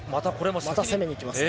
また攻めにいきますね。